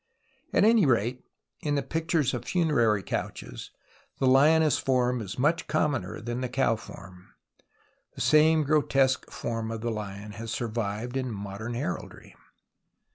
At any rate, in the pictures of funerary couches the lioness form is much commoner than the cow form. The same grotesque form of the lion has survi\ed in modern heraldry.